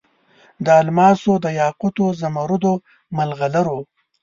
د الماسو، دیاقوتو، زمرودو، مرغلرو